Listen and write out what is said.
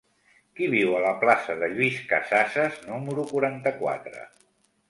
Qui viu a la plaça de Lluís Casassas número quaranta-quatre?